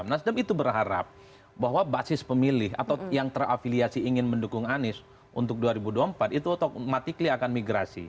nasdem itu berharap bahwa basis pemilih atau yang terafiliasi ingin mendukung anies untuk dua ribu dua puluh empat itu otomatis akan migrasi